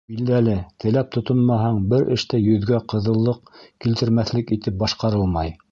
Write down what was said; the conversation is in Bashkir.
Билдәле, теләп тотонмаһаң, бер эш тә йөҙгә ҡыҙыллыҡ килтермәҫлек итеп башҡарылмай.